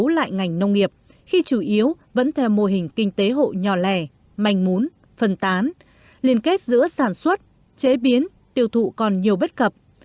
liên kết giữa sản xuất chế biến tiêu thụ còn nhiều bất cập